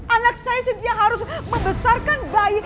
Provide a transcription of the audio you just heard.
anak saya sintia harus membesarkan bayi